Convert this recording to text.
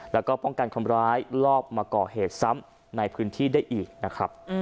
แล้วก็ป้องกันคนร้ายลอบมาก่อเหตุซ้ำในพื้นที่ได้อีกนะครับ